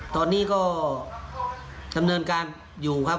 ตอนนี้ก็ดำเนินการอยู่ครับ